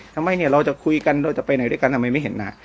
ทำไมเราจะคุยกันเราจะไปหน่อยด้วยกันทำไมไม่เห็นหน้า